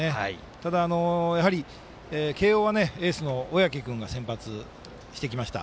ただ、慶応はエースの小宅君が先発してきました。